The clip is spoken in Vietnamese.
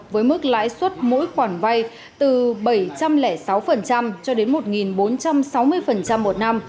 với mức lãi suất mỗi khoản vay từ bảy trăm linh sáu cho đến một bốn trăm sáu mươi một năm